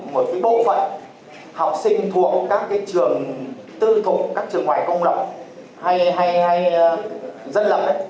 một bộ phận học sinh thuộc các trường tư thục các trường ngoài công lập hay dân lập